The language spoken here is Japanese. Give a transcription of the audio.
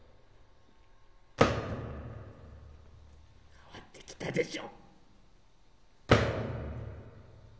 かわってきたでしょ。